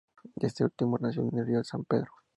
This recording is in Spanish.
De este último nace el río San Pedro.